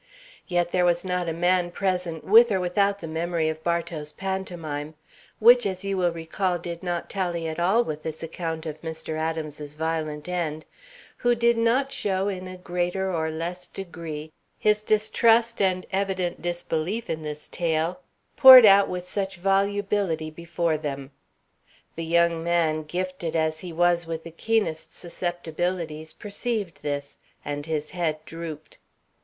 Yet there was not a man present, with or without the memory of Bartow's pantomime, which, as you will recall, did not tally at all with this account of Mr. Adams's violent end, who did not show in a greater or less degree his distrust and evident disbelief in this tale, poured out with such volubility before them. The young man, gifted as he was with the keenest susceptibilities, perceived this, and his head drooped.